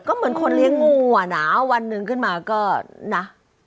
ก็เหมือนคนเลี้ยงงูอ่ะนะวันหนึ่งขึ้นมาก็นะ